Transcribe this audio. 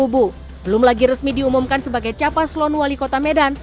belum lagi resmi diumumkan sebagai capas lon wali kota medan